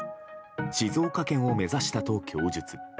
静岡県を目指したと供述。